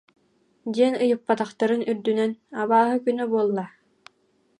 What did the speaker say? диэн ыйыппатахтарын үрдүнэн: «Абааһы күнэ буолла